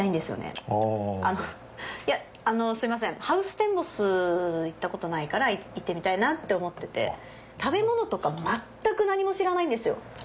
「『ハウステンボス』行ったコトないから行ってみたいな」って思ってて食べ物とか全く何も知らないんですよ。